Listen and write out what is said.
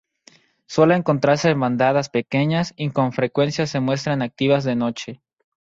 Suele encontrarse en bandadas pequeñas y con frecuencia se muestran activas de noche.